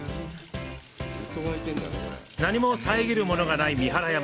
何も遮るものがない三原山。